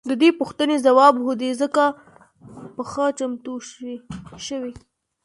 د دې پوښتنې ځواب هو دی ځکه پنبه چمتو شوې.